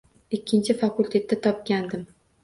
Ikkinchisi fakultetda topgandim